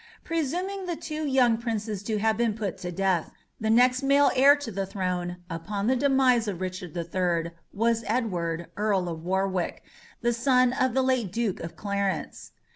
Presuming the two young princes to have been put to death, the next male heir to the throne, upon the demise of Richard the Third, was Edward, Earl of Warwick, the son of the late Duke of Clarence.